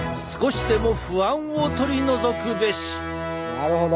なるほど！